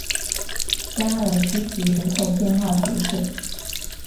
加尔希济人口变化图示